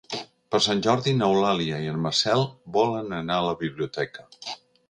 Per Sant Jordi n'Eulàlia i en Marcel volen anar a la biblioteca.